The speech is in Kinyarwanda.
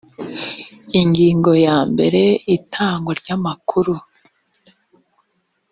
ingingo ya mbere itangwa ry amakuru